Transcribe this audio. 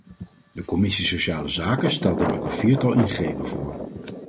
De commissie sociale zaken stelt dan ook een viertal ingrepen voor.